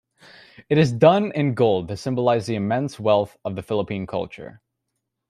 It is done in gold to symbolize the immense wealth of Philippine culture.